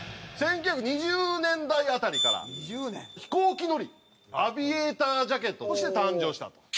１９２０年代辺りから飛行機乗りアビエイタージャケットとして誕生したと。